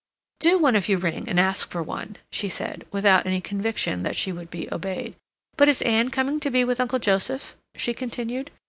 "Do one of you ring and ask for one," she said, without any conviction that she would be obeyed. "But is Ann coming to be with Uncle Joseph?" she continued.